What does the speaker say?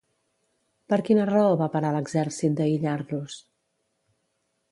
Per quina raó va parar l'exèrcit d'aïllar-los?